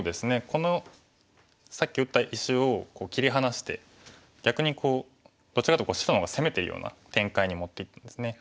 このさっき打った石を切り離して逆にどちらかというと白の方が攻めてるような展開に持っていったんですね。